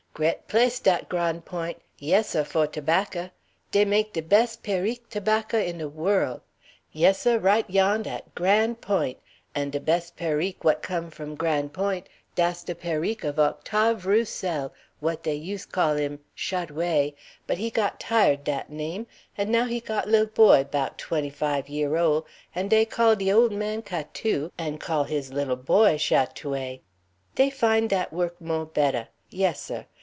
"Gret place, dat Gran' Point'. Yes, seh; fo' tobahcah. Dey make de bes' Périque tobahcah in de worl'. Yes, seh, right yond' at Gran' Point'; an' de bes' Périque w'at come from Gran' Point', dass de Périque of Octave Roussel, w'at dey use call 'im Chat oué; but he git tired dat name, and now he got lil boy 'bout twenny five year' ole, an' dey call de ole man Catou, an' call his lil boy Chat oué. Dey fine dat wuck mo' betteh. Yes, seh.